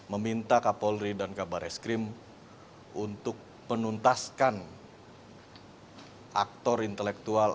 meminta kapolri dan kabar eskrim untuk menuntaskan aktor intelektual